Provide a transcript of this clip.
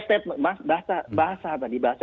statement bahasa tadi bahasa